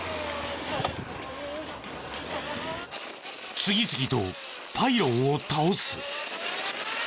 次々とパイロンを倒す。